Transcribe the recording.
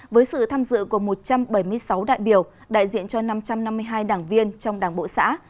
với sự tham dự của một trăm bảy mươi sáu đại biểu đại diện cho năm trăm năm mươi hai đảng viên trong đảng bộ xã